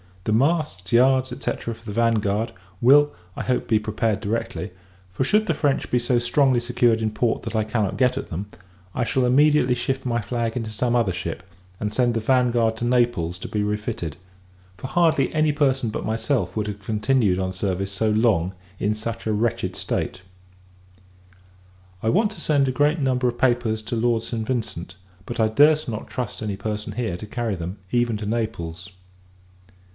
The masts, yards, &c. for the Vanguard, will I hope be prepared directly: for, should the French be so strongly secured in port that I cannot get at them, I shall immediately shift my flag into some other ship, and send the Vanguard to Naples to be refitted; for hardly any person but myself would have continued on service so long in such a wretched state. I want to send a great number of papers to Lord St. Vincent; but I durst not trust any person here to carry them, even to Naples.